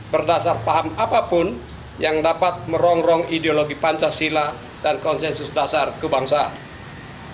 berdasar paham apapun yang dapat merongrong ideologi pancasila dan konsensus dasar kebangsaan